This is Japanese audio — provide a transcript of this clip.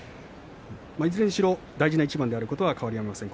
いずれにしろ大事な一番には変わりはありません。